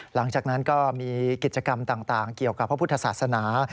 หลังจากนั้นก็มีกิจกรรมต่างเกี่ยวกับพระพุทธศาสนา